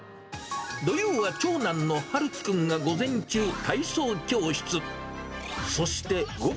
土曜は長男のはるき君が午前中、体操教室。